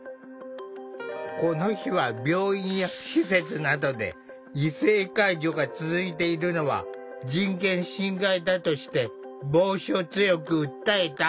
この日は病院や施設などで異性介助が続いているのは人権侵害だとして防止を強く訴えた。